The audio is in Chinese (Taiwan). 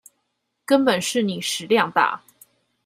根本是你食量大